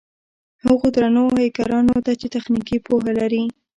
هغو درنو هېکرانو ته چې تخنيکي پوهه لري.